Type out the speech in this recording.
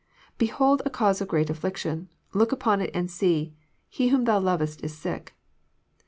Behold a case of great affliction : look upon it and see : he whom Thou lovest is sick."